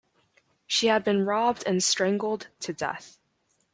She had been robbed and strangled to death.